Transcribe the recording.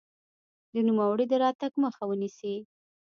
د نوموړي د راتګ مخه ونیسي.